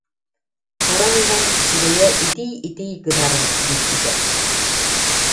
Туран иһэн, сирэйэ итий-итий гынарын билбитэ